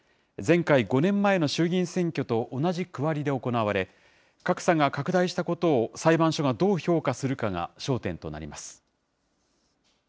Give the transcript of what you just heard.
前回・５年前の衆議院選挙と同じ区割りで行われ、格差が拡大したことを裁判所がどう評価するかが焦点となります。